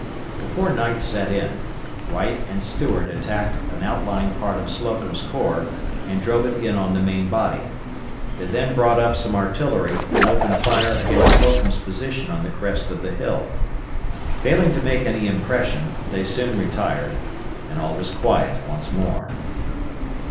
Before night set in, Wright and Stuart attacked an outlying part of Slocum's corps and drove it in on the main body. They then brought up some artillery and opened fire against Slocum's position on the crest of the hill. Failing to make any impression they soon retired and all was quiet once more.